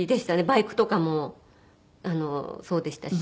バイクとかもそうでしたし。